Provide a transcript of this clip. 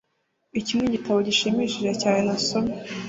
iki nigitabo gishimishije cyane nasomye